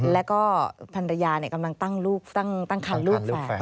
แล้วก็พันรยากำลังตั้งคันลูกแสดง